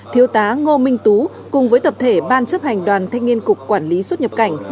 thiếu tá ngô minh tú cùng với tập thể ban chấp hành đoàn thanh niên cục quản lý xuất nhập cảnh